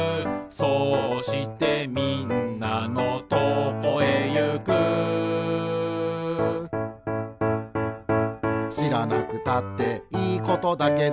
「そうしてみんなのとこへゆく」「しらなくたっていいことだけど」